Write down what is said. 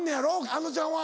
あのちゃんは？